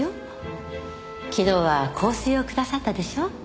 昨日は香水をくださったでしょ？